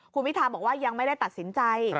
คุณพิทาบอกว่ายังไม่ได้ตัดสินใจ